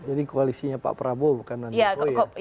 jadi koalisinya pak prabowo bukan non jokowi ya